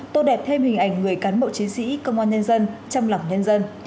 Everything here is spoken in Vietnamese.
tô đẹp thêm hình ảnh người cán bộ chiến sĩ công an nhân dân trong lòng nhân dân